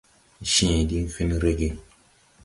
Cẽẽ diŋ fen rege.